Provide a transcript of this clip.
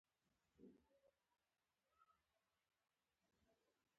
هغوی وایي چې علم زده کړه سخته ده